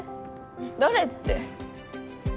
誰って。